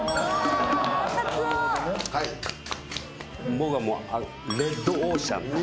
僕はもうレッドオーシャン。